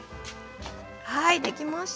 はいできました。